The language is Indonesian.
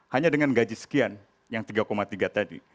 hanya dengan gaji sekian yang tiga tiga tadi